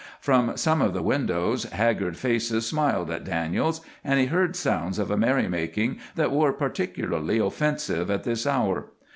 From some of the windows haggard faces smiled at Daniels, and he heard sounds of a merrymaking that were particularly offensive at this hour.